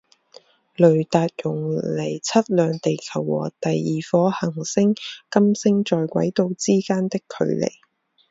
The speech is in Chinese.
雷达用来测量地球和第二颗行星金星在轨道之间的距离。